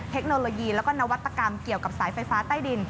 เทคโนโลยีแล้วก็นวัตกรรมเกี่ยวกับสายไฟฟ้าใต้ดิน